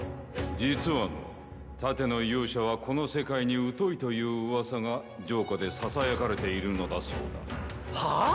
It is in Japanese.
実はの盾の勇者はこの世界に疎いという噂が城下でささやかれているのだそうだ。はあ？